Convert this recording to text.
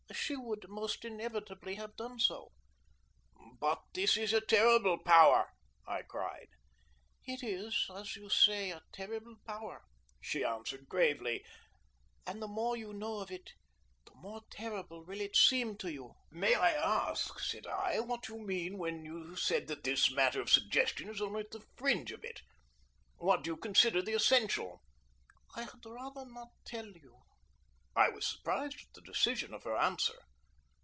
"She would most inevitably have done so." "But this is a terrible power!" I cried. "It is, as you say, a terrible power," she answered gravely, "and the more you know of it the more terrible will it seem to you." "May I ask," said I, "what you meant when you said that this matter of suggestion is only at the fringe of it? What do you consider the essential?" "I had rather not tell you." I was surprised at the decision of her answer.